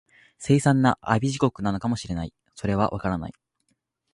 凄惨な阿鼻地獄なのかも知れない、それは、わからない